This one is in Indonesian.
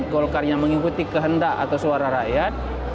golkar yang mengikuti kehendak atau suara rakyat